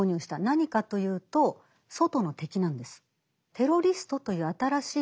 何かというと外の敵なんです。